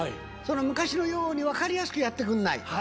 昔のように分かりやすくやってくんない。